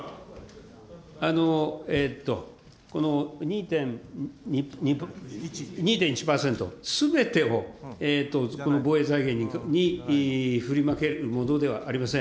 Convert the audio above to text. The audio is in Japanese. この２．１％すべてをこの防衛財源に振り分けるものではありません。